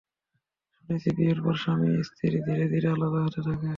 শুনেছি বিয়ের পরে স্বামী স্ত্রী ধীরে ধীরে আলাদা হতে থাকে।